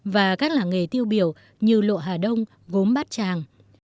và các làng nghề tiêu biểu như lộ hà đông gốm bát tràng